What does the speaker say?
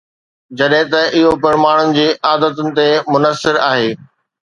جڏهن ته اهو پڻ ماڻهن جي عادتن تي منحصر آهي